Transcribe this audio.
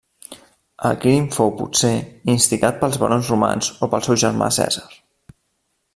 El crim fou, potser, instigat pels barons romans o pel seu germà Cèsar.